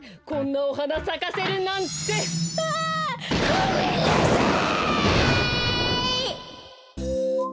ごめんなさい！